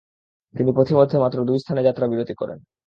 তিনি পথিমধ্যে মাত্র দুই স্থানে যাত্রাবিরতি করেন।